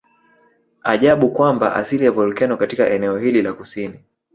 Ajabu kwamba asili ya volkeno katika eneo hili la kusini